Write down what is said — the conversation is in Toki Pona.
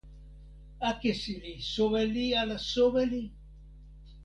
akesi li soweli ala soweli?